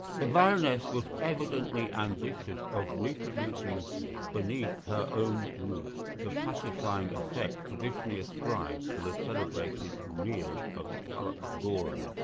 The Baroness was evidently ambitious of reproducing beneath her own roof the pacifying effects traditionally ascribed to the celebrated Reel of Tullochgorum.